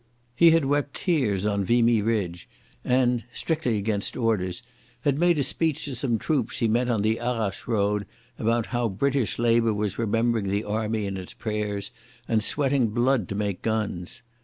He had wept tears on Vimy Ridge, and—strictly against orders—had made a speech to some troops he met on the Arras road about how British Labour was remembering the Army in its prayers and sweating blood to make guns.